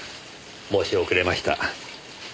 申し遅れました。